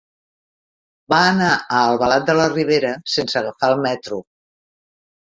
Va anar a Albalat de la Ribera sense agafar el metro.